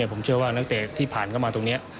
ผมเชื่อว่านักเตะที่ผ่านเข้ามาตรงนี้